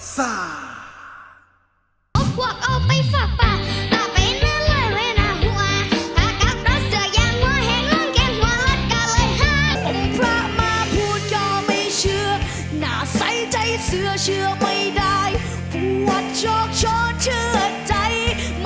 รอบที่๓ยกที่๑ทีมที่ชนะคือทีม